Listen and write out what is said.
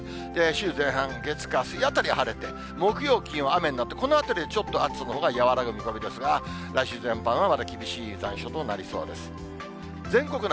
週前半、月、火、水あたり晴れて、木曜、金曜雨になって、この辺りでちょっと暑さのほうが和らぐ見込みですが、来週前半はまだ厳しい残暑となりそうです。